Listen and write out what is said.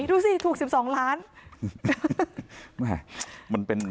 ดูสิถูก๑๒ล้าน